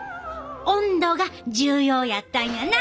温度が重要やったんやな！